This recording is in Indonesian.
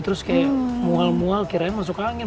terus kayak mual mual kirain masuk angin